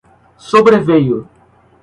sobreveio